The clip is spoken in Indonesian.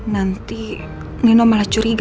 nanti nino malah curiga